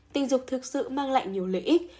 tình dục thực sự mang lại nhiều lợi ích